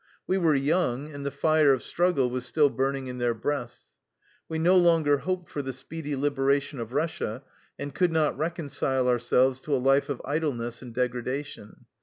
We were young, and the fire of struggle was still burning in our breasts. We no longer hoped for the speedy liberation of Russia, and could not reconcile ourselves to a life of idleness and degradation.